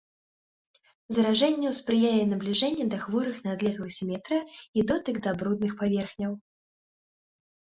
Заражэнню спрыяе набліжэнне да хворых на адлегласць метра і дотык да брудных паверхняў.